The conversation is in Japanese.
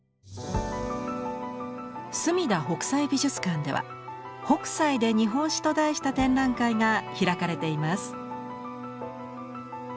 すみだ北斎美術館では「北斎で日本史」と題した展覧会が開かれています。